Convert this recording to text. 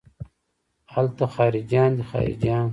الته خارجيان دي خارجيان.